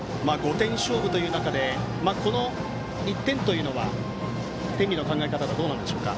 ５点勝負という中でこの１点というのは天理の考え方でどうですか。